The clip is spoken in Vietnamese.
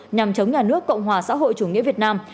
nhằm chống nhà nước cộng hòa xã hội chủ nghĩa việt nam